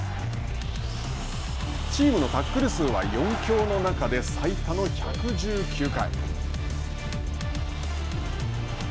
チームのタックル数は４強の中で最多の１１９回。